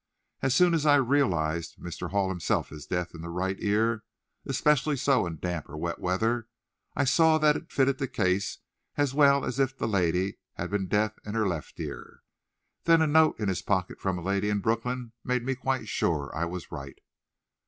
As soon as I realized Mr. Hall himself is deaf in the right ear, especially so in damp or wet weather, I saw that it fitted the case as well as if the lady had been deaf in her left ear. Then a note in his pocket from a lady in Brooklyn made me quite sure I was right."